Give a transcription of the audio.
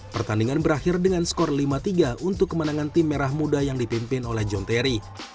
pertandingan berakhir dengan skor lima tiga untuk kemenangan tim merah muda yang dipimpin oleh john terry